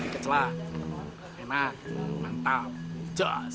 kecelak enak mantap jas